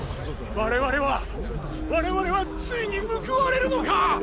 我々は我々はついに報われるのか？